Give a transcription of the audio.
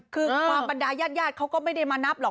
คือความบรรดายาดเขาก็ไม่ได้มานับหรอก